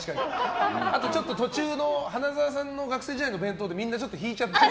あと途中の花澤さんの学生時代の弁当でみんなちょっと引いちゃってて。